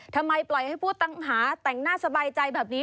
ทำไมปล่อยให้ผู้ต้องหาแต่งหน้าสบายใจแบบนี้